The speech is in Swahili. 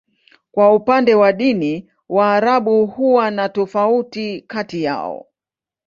Kwa upande wa dini, Waarabu huwa na tofauti kati yao.